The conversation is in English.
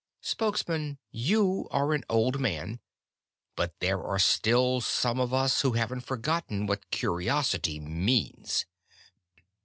Spokesman, you are an old man, but there are still some of us who haven't forgotten what curiosity means!"